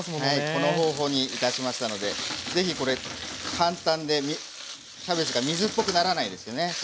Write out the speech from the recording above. はいこの方法にいたしましたので是非これ簡単でキャベツが水っぽくならないですよね